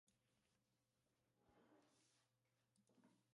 Tím mechanicky brání průniku spermií do dělohy.